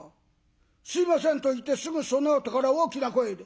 『すいません』と言ってすぐそのあとから大きな声で」。